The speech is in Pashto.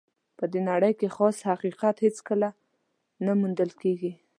په نړۍ کې خالص حقیقت هېڅکله نه موندل کېږي.